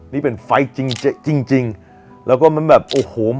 นี่อย่าพูดใจของผม